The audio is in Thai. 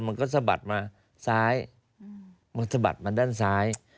มันก็สะบัดมาซ้ายมันสะบัดมาด้านซ้าย